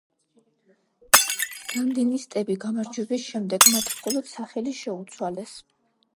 სანდინისტები გამარჯვების შემდეგ, მათ მხოლოდ სახელი შეუცვალეს.